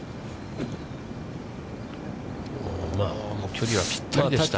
距離はぴったりでした。